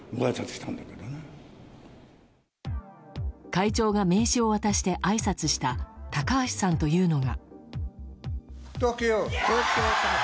会長が名刺を渡してあいさつした高橋さんというのが。